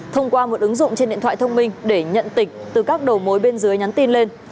thông qua một ứng dụng trên điện thoại thông minh để nhận tịch từ các đầu mối bên dưới nhắn tin lên